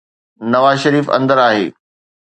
نواز شريف اندر آهي.